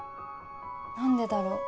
何でだろう